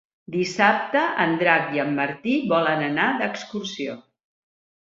Dissabte en Drac i en Martí volen anar d'excursió.